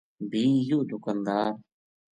بھی یوہ دکاندار